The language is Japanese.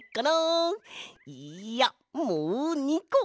いいやもう２こ。